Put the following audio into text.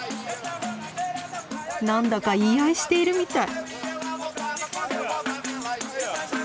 何だか言い合いしているみたい。